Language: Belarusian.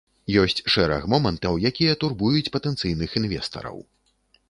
Ёсць шэраг момантаў, якія турбуюць патэнцыйных інвестараў.